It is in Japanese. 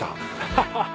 ハハハ